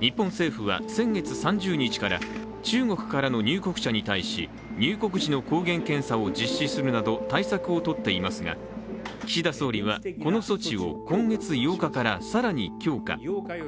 日本政府は、先月３０日から中国からの入国者に対し入国時の抗原検査を実施するなど対策をとっていますが、岸田総理はこの措置を今月８日から更に強化。